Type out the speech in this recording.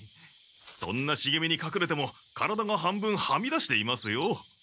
そんなしげみにかくれても体が半分はみ出していますよ。